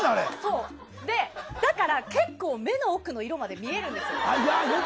だから、結構目の奥の色まで見えるんです。